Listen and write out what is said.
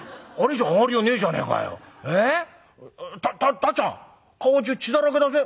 たたっちゃん顔中血だらけだぜ。